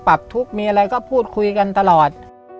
ปรับทุกข์มีอะไรก็พูดคุยกันตลอด